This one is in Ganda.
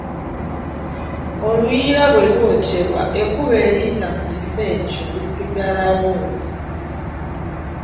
Oluyiira bwe lwokyebwa ekkubo eriyita mu kifo ekyo lisigalawo.